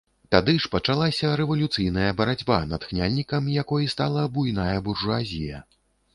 Тады ж пачалася рэвалюцыйная барацьба, натхняльнікам якой стала буйная буржуазія.